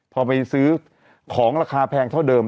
พอไปซื้อของราคาแพงเท่าเดิม